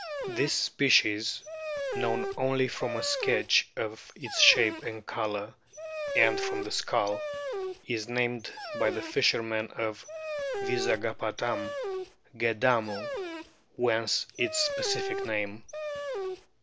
This species, known only from a sketch of its shape and colour, and from the skull, is named by the fishermen of Vizagapatam " Gadamu," whence its specific name.